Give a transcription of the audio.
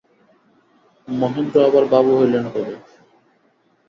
মহেন্দ্র আবার বাবু হইলেন কবে।